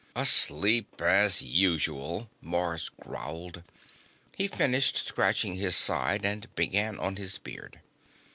"Asleep, as usual," Mars growled. He finished scratching his side and began on his beard.